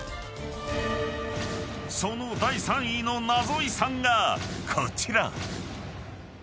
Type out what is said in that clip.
［その第３位のナゾ遺産がこちら］